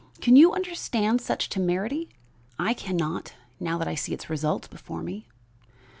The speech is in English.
Can you understand such temerity? I can not, now that I see its results before me.